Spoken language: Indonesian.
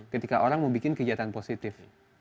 ketika orang mau bikin kegiatan positif